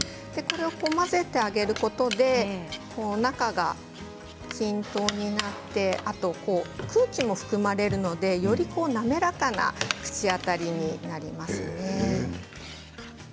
混ぜてあげることで中が均等になってあと空気も含まれますので滑らかな口当たりになります。